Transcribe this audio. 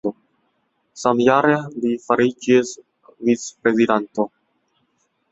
Samjare li fariĝis vicprezidanto.